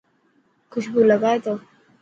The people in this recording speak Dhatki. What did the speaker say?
خوشبو لگائي تو.